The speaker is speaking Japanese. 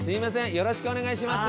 よろしくお願いします。